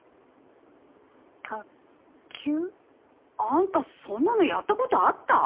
あんたそんなのやったことあった？